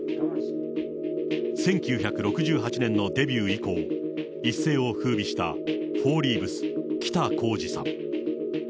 １９６８年のデビュー以降、一世を風びしたフォーリーブス・北公次さん。